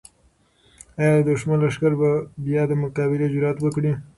آیا د دښمن لښکر به بیا د مقابلې جرات وکړي؟